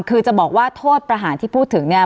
คือจะบอกว่าโทษประหารที่พูดถึงเนี่ย